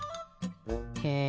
へえ。